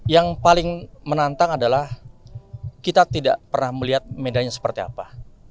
yang paling menantang adalah kita tidak pernah melihat medannya seperti apa